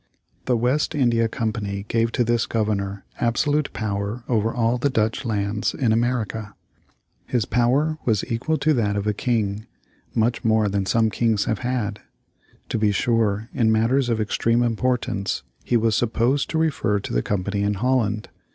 The West India Company gave to this Governor absolute power over all the Dutch lands in America. His power was equal to that of a king; much more than some kings have had. To be sure, in matters of extreme importance he was supposed to refer to the Company in Holland.